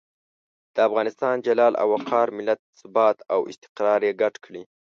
د افغانستان جلال او وقار، ملت ثبات او استقرار یې ګډ کړي.